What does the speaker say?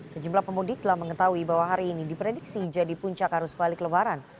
sejumlah pemudik telah mengetahui bahwa hari ini diprediksi jadi puncak arus balik lebaran